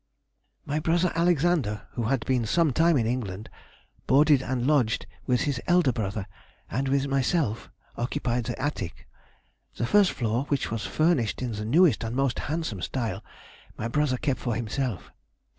"My brother Alexander, who had been some time in England, boarded and lodged with his elder brother, and with myself, occupied the attic. The first floor, which was furnished in the newest and most handsome style, my brother kept for himself.